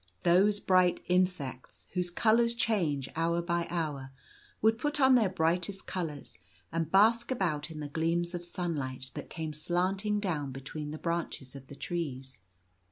Those bright insects, whose colours change hour by hour, would put on their brightest colours, and bask about in the gleams of sunlight that came slanting down between the branches of the trees.